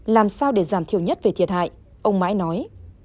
làm sao để giảm thiểu nhất về thiệt hại ông mãi nói